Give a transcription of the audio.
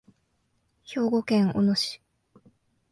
兵庫県小野市